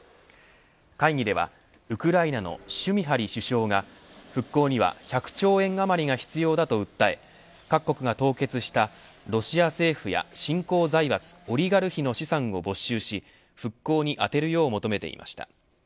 会議ではウクライナのシュミハリ首相が復興には１００兆円余りが必要だと訴え各国が凍結したロシア政府や新興財閥オリガルヒの資産を没収し復興に充てるよう求めていました。